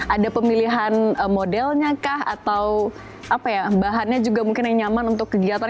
ada pemilihan modelnya kah atau apa ya bahannya juga mungkin yang nyaman untuk kegiatan